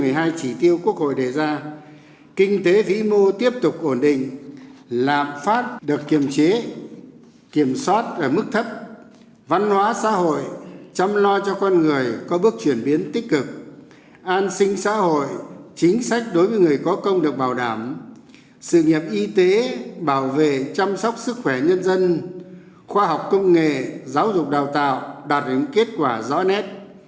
năm thứ hai chỉ tiêu quốc hội đề ra kinh tế phí mô tiếp tục ổn định lạp phát được kiểm soát ở mức thấp văn hóa xã hội chăm lo cho con người có bước chuyển biến tích cực an sinh xã hội chính sách đối với người có công được bảo đảm sự nghiệp y tế bảo vệ chăm sóc sức khỏe nhân dân khoa học công nghệ giáo dục đào tạo đạt đến kết quả rõ nét